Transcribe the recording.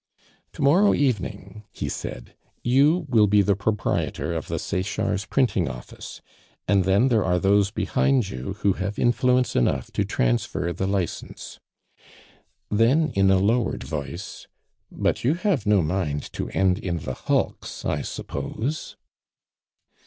"To morrow evening," he said, "you will be the proprietor of the Sechards' printing office, and then there are those behind you who have influence enough to transfer the license;" (then in a lowered voice), "but you have no mind to end in the hulks, I suppose?"